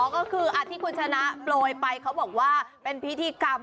ก็คือที่คุณชนะโปรยไปเขาบอกว่าเป็นพิธีกรรม